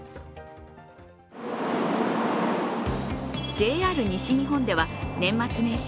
ＪＲ西日本では、年末年始